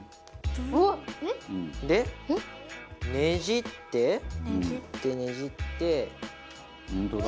でねじってねじって。